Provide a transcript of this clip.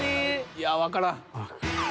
いやわからん。